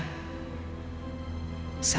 seandainya seharusnya dia bisa berubah